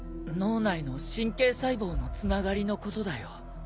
脳内の神経細胞のつながりのことだよ。